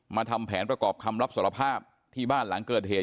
ทำแผนประกอบคำรับสารภาพที่บ้านหลังเกิดเหตุ